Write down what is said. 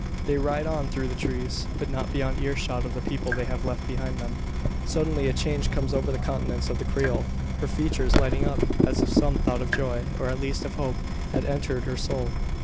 They ride on through the trees but not beyond ear shot of the people they have left behind them. Suddenly a change comes over the countenance of the Creole her features lighting up, as if some thought of joy, or at least of hope, had entered her soul.